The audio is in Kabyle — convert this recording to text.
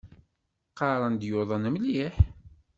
Qqaren-d yuḍen mliḥ.